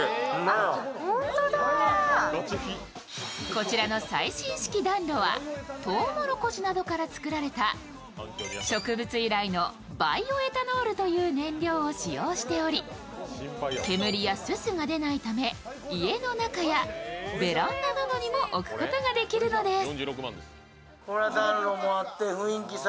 こちらの最新式暖炉はとうもろこしなどから作られた植物由来のバイオエタノールという燃料を使用しており、煙やすすが出ないため家の中やベランダなどにも置くことができるのです。